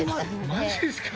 マジですか！？